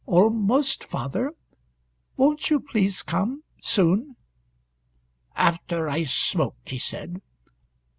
"Almost, father. Won't you please come soon?" "After I smoke," he said.